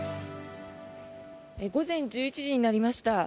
午前１１時になりました。